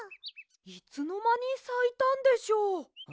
いつのまにさいたんでしょう？